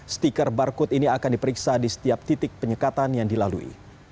stiker barcode ini akan diperiksa di setiap titik penyekatan yang dilalui